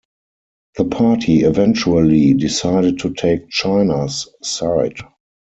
The party eventually decided to take China's side.